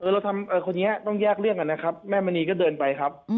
เราทำคนนี้ต้องแยกเรื่องกันนะครับแม่มณีก็เดินไปครับ